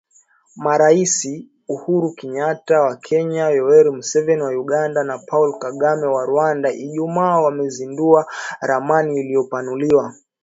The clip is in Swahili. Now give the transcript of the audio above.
Marais Uhuru Kenyata wa Kenya, Yoweri Museveni wa Uganda, na Paul Kagame wa Rwanda Ijumaa wamezindua ramani iliyopanuliwa